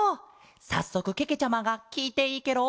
さっそくけけちゃまがきいていいケロ？